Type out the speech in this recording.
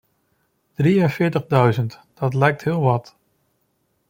Drieënveertigduizend, dat lijkt heel wat.